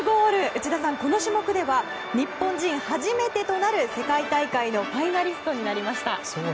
内田さん、この種目では日本人初めてとなる世界大会のファイナリストになりました。